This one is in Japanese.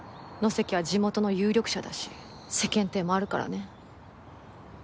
野瀬家は地元の有力者だし世間体もあるからね。